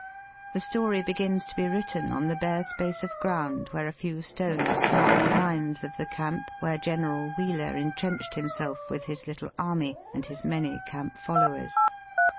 The story begins to be written on the bare space of ground where a few stones mark the lines of the camp where General Wheeler entrenched himself with his little army and his many camp followers.